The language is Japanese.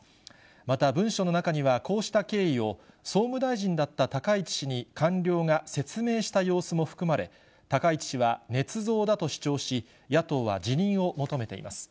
また、文書の中には、こうした経緯を総務大臣だった高市氏に官僚が説明した様子も含まれ、高市氏はねつ造だと主張し、野党は辞任を求めています。